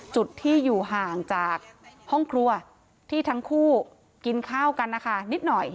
จุดที่อยู่ห่างจากห้องครัวที่ทั้งคู่กินข้าวกันนะคะนิดหน่อย